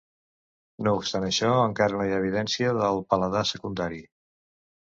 No obstant això, encara no hi ha evidència del paladar secundari.